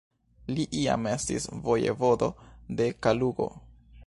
Li iam estis vojevodo de Kalugo.